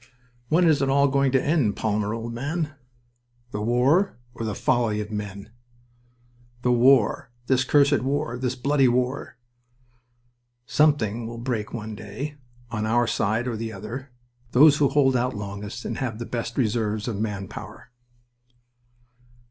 "When is it all going to end, Palmer, old man?" "The war, or the folly of men?" "The war. This cursed war. This bloody war." "Something will break one day, on our side or the other. Those who hold out longest and have the best reserves of man power."